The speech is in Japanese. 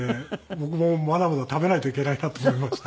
僕もまだまだ食べないといけないなと思いました。